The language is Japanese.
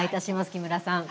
木村さん。